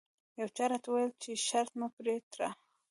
یو چا راته وویل چې شرط مه پرې تړه.